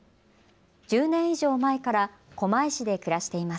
１０年以上前から狛江市で暮らしています。